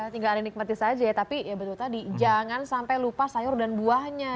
tinggal nikmatis aja ya tapi ya betul tadi jangan sampai lupa sayur dan buahnya